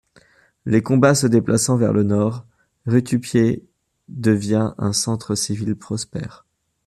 Les combats se déplaçant vers le nord, Rutupiæ devient un centre civil prospère.